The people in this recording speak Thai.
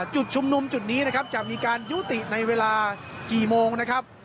จุดชุมนุมจุดนี้นะครับจะมีการยุติในเวลากี่โมงนะครับ